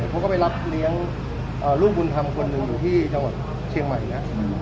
เขาก็ไปรับเลี้ยงลูกบุญธรรมคนหนึ่งอยู่ที่จังหวัดเชียงใหม่แล้ว